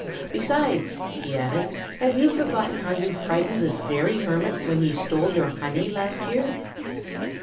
Besides," he added, "have you forgotten how you frightened this very hermit when he stole your honey, last year?"